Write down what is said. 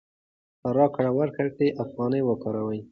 په راکړه ورکړه کې افغانۍ وکاروئ.